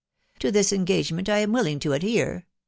JTo this engagemeakl Mm willing to*adhere.